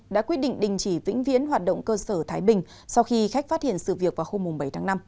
đã quyết định đình chỉ vĩnh viễn hoạt động cơ sở thái bình sau khi khách phát hiện sự việc vào hôm bảy tháng năm